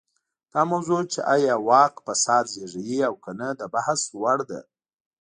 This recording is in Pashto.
دا موضوع چې ایا واک فساد زېږوي او که نه د بحث وړ ده.